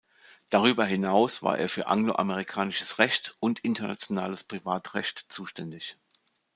Darüber hinaus war er für anglo-amerikanisches Recht und internationales Privatrecht zuständig.